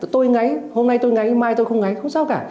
tôi ngáy hôm nay tôi ngáy mai tôi không ngáy không sao cả